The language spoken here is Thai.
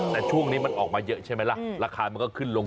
แต่ช่วงนี้มันออกมาเยอะใช่ไหมล่ะราคามันก็ขึ้นลง